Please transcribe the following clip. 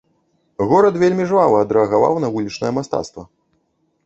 Горад вельмі жвава адрэагаваў на вулічнае мастацтва.